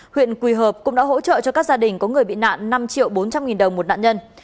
huyện quỳ hợp cũng đã hỗ trợ cho các gia đình có người bị nạn năm triệu bốn trăm linh nghìn đồng một nạn nhân